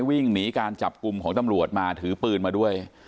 วิ่งหนีการจับกลุ่มของตำรวจมาถือปืนมาด้วย